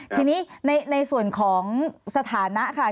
ทีนี้ในส่วนของสถานะค่ะ